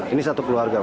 ini satu keluarga